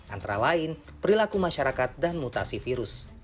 antara lain perilaku masyarakat dan mutasi virus